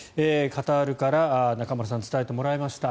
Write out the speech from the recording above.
カタールから中丸さんに伝えてもらいました。